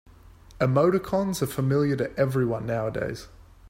Emoticons are familiar to everyone nowadays.